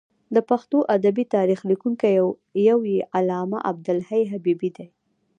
د پښتو ادبي تاریخ لیکونکی یو یې علامه عبدالحی حبیبي دی.